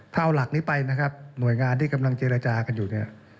ถ้าเอาหลักนี้ไปนะครับหน่วยงานที่กำลังเจรจากันอยู่เนี่ย